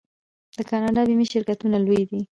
د کاناډا بیمې شرکتونه لوی دي.